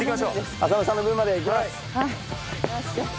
浅野さんの分まで行きます！